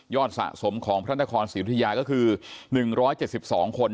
สะสมของพระนครศรีอุทยาก็คือ๑๗๒คน